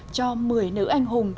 cho một mươi nữ anh hùng